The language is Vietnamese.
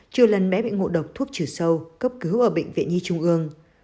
trừ lần bé bị ngộ độc thuốc trừ sâu cấp cứu ở bệnh viện nhi trung ương